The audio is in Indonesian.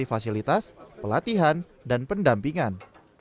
fasilitas pelatihan dan pendampingan